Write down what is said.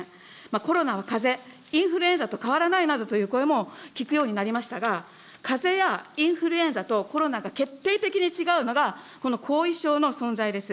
コロナはかぜ、インフルエンザと変わらないなどという声も聞くようになりましたが、かぜやインフルエンザとコロナが決定的に違うのが、この後遺症の存在です。